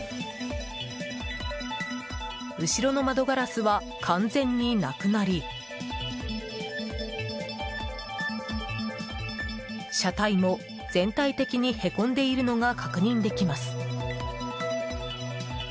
後ろの窓ガラスは完全になくなり車体も全体的にへこんでいるのが確認できます。